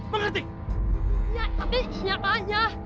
ya tapi siapa aja